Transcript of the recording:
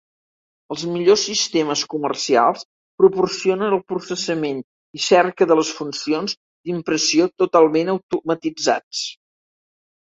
Els millors sistemes comercials proporcionen el processament i cerca de les funcions d'impressió totalment automatitzats.